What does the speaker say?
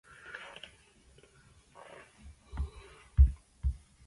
This was followed by numberless other commissions which the painter carried out.